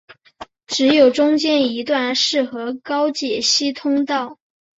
只有中间一段适合高解析通道。